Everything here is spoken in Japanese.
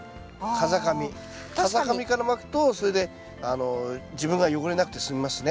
風上からまくとそれで自分が汚れなくて済みますね。